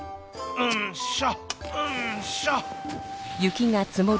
うんしょ！